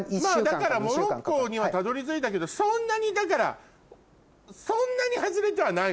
まぁだからモロッコにはたどり着いたけどそんなにだからそんなに外れてはないのね？